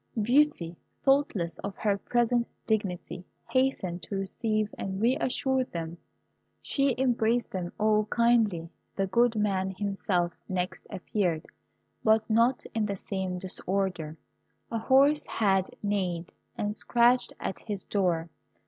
Beauty, thoughtless of her present dignity, hastened to receive and re assure them. She embraced them all kindly. The good man himself next appeared, but not in the same disorder. A horse had neighed and scratched at his door.